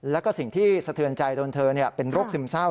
แล้วก็สิ่งที่สะเทือนใจโดนเธอเป็นโรคซึมเศร้า